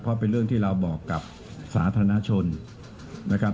เพราะเป็นเรื่องที่เราบอกกับสาธารณชนนะครับ